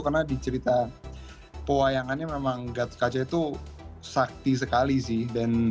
karena di cerita pewayangannya memang gatot kaca itu sakti sekali sih